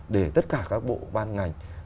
để tất cả các bộ ban ngành